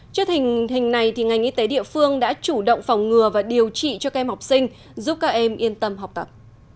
trước hình hình này ngành y tế địa phương đã chủ động phòng ngừa và điều trị cho các em học sinh giúp các em yên tâm học tập